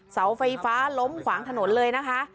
เสาไฟฟ้าล้มขวางถนนเลยนะคะ